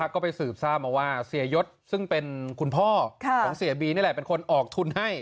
คุณสัพพ่อของเสียบีนี่แหละเป็นคนออกทุนให้